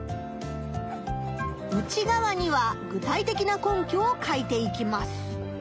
内がわには具体的な根拠を書いていきます。